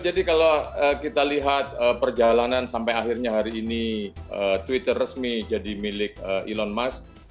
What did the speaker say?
jadi kalau kita lihat perjalanan sampai akhirnya hari ini twitter resmi jadi milik elon musk